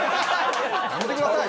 やめてください。